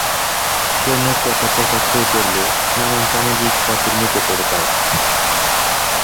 প্রেমের কথা প্রকাশ হয়ে পড়লে নানান সামাজিক চাপের মুখে পড়ে তারা।